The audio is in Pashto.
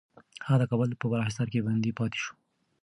هغه د کابل په بالاحصار کي بند پاتې شو.